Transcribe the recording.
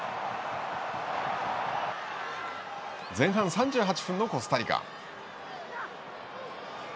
前半３８分のコスタリカ。